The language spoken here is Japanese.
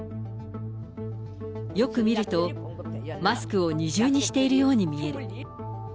よく見ると、マスクを二重にしているように見える。